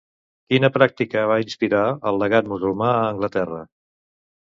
Quina pràctica va inspirar el llegat musulmà a Anglaterra?